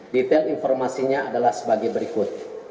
detail informasinya adalah sebagai berikut